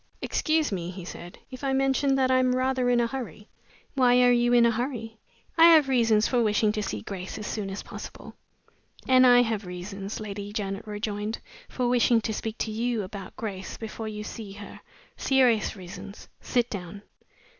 "Excuse me," he said, "if I mention that I am rather in a hurry." "Why are you in a hurry?" "I have reasons for wishing to see Grace as soon as possible." "And I have reasons," Lady Janet rejoined, "for wishing to speak to you about Grace before you see her; serious reasons. Sit down."